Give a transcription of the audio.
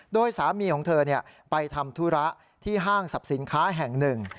โดยสามีของเธอไปทำธุระที่ห้างสรรพสินค้าแห่งหนึ่ง